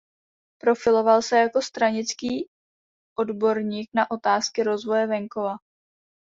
Profiloval se jako stranický odborník na otázky rozvoje venkova.